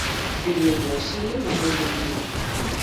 Viviu no exilio no Reino Unido.